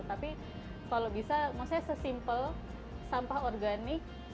tapi kalau bisa maksudnya sesimpel sampah organik